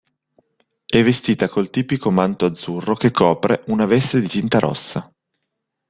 È vestita col tipico manto azzurro, che copre una veste di tinta rossa.